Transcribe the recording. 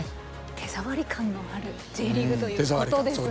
手触り感のあるＪリーグということですね。